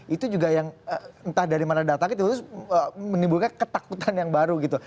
itu juga yang entah dari mana datang itu menimbulkan ketakutan yang baru gitu